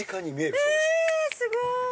えすごい！